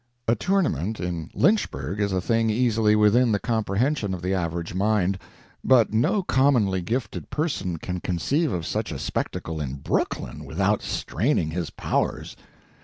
A "tournament" in Lynchburg is a thing easily within the comprehension of the average mind; but no commonly gifted person can conceive of such a spectacle in Brooklyn without straining his powers.